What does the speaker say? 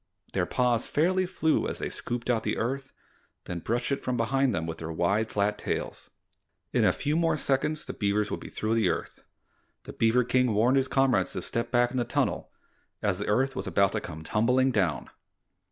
Their paws fairly flew as they scooped out the earth and then brushed it from behind them with their wide, flat tails. In a few more seconds the beavers would be through the earth. The beaver King warned his comrades to step back in the tunnel, as the earth was about to come tumbling down.